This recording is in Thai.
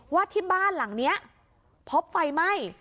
ว่าที่บ้านหลังนี้พบไฟไหม้